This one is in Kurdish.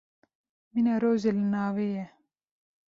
Mîna rojê li navê ye.